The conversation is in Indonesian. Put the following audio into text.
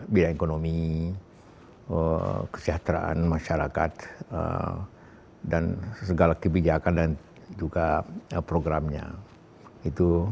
bidang ekonomi kesejahteraan masyarakat dan segala kebijakan dan juga programnya itu